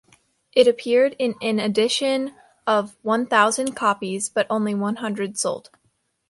It appeared in an edition of one thousand copies, but only one hundred sold.